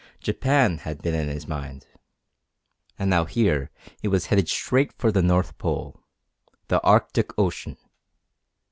Japan had been in his mind. And now here he was headed straight for the north pole the Arctic Ocean.